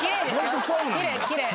きれいきれい。